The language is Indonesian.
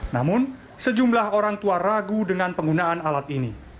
namun sejumlah orang tua ragu dengan penggunaan alat ini